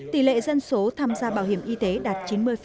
tỷ lệ dân số tham gia bảo hiểm y tế đạt chín mươi